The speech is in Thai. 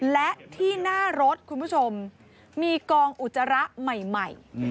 และที่หน้ารถคุณผู้ชมมีกองอุจจาระใหม่